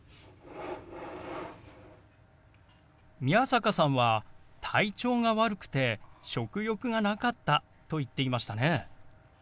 宮坂さんは「体調が悪くて食欲がなかった」と言っていましたね。